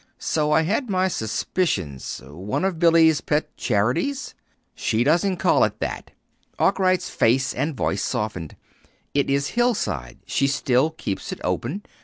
So I had my suspicions. One of Billy's pet charities?" "She doesn't call it that." Arkwright's face and voice softened. "It is Hillside. She still keeps it open.